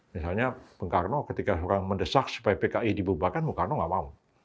misalnya bung karno ketika orang mendesak supaya pki dibubarkan bung karno nggak mau